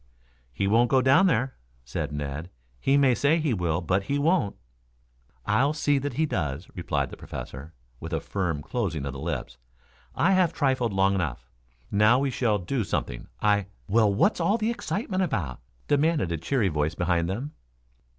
"He won't go down there," said Ned. "He may say he will, but he won't." "I'll see that he does," replied the Professor, with a firm closing of the lips. "I have trifled long enough. Now we shall do something. I " "Well, what's all the excitement about?" demanded a cheery voice behind them.